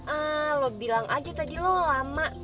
ah lo bilang aja tadi lo lama